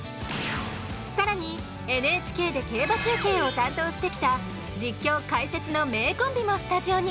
更にＮＨＫで競馬中継を担当してきた実況解説の名コンビもスタジオに！